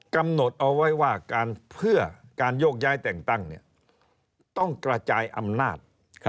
กำหนดเอาไว้ว่าการเพื่อการโยกย้ายแต่งตั้งต้องกระจายอำนาจ